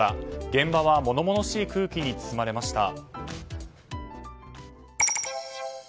現場は物々しい空気に包まれました。